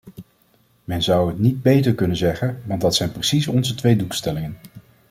Men zou het niet beter kunnen zeggen, want dat zijn precies onze twee doelstellingen.